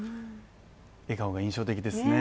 笑顔が印象的ですね。